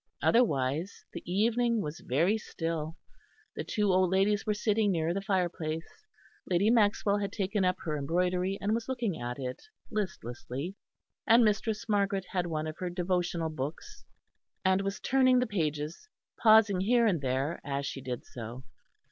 Otherwise the evening was very still; the two old ladies were sitting near the fireplace; Lady Maxwell had taken up her embroidery, and was looking at it listlessly, and Mistress Margaret had one of her devotional books and was turning the pages, pausing here and there as she did so.